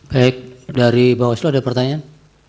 baik dari bawah situ ada pertanyaan